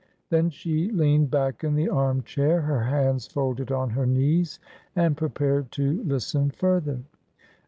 Then she leaned back in the arm chair, her hands folded on her knees, and prepared to listen further.